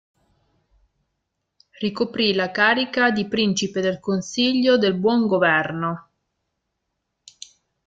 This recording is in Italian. Ricoprì la carica di Principe del Consiglio del Buon Governo.